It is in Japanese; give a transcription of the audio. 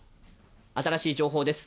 新しい情報です。